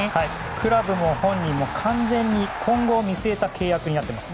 クラブも本人も完全に今後を見据えた契約になっています。